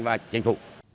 và chính phủ